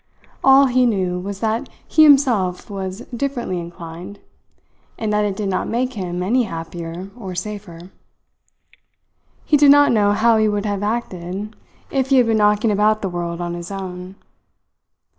All he knew was that he himself was differently inclined, and that it did not make him any happier or safer. He did not know how he would have acted if he had been knocking about the world on his own.